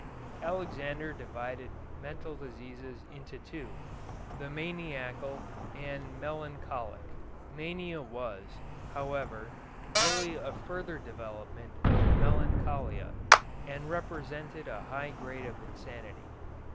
Alexander divided mental diseases into two, the maniacal and melancholic. Mania was, however, really a further development of melancholia, and represented a high grade of insanity.